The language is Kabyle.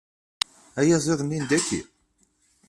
Ayaziḍ-nni n dayi?